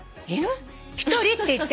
『１人』って言ってるのに」